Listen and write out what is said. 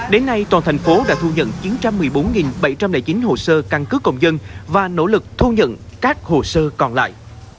đến nay toàn thành phố đã thu nhận chín trăm một mươi bốn bảy trăm linh chín hồ sơ căn cứ công dân và nỗ lực thu nhận các hồ sơ còn lại